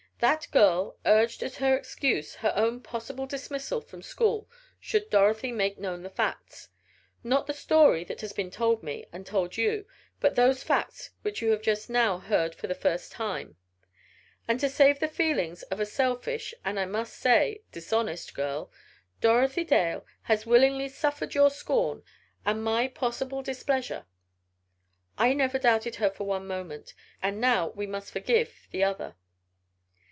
That girl urged as her excuse her own possible dismissal from school should Dorothy make known the facts, not the story that has been told me, and told you, but those facts which you have just now heard for the first time. And to save the feelings of a selfish and I must say it dishonest girl, Dorothy Dale has willingly suffered your scorn and my possible displeasure. But I never doubted her for one moment. And now we must forgive the other."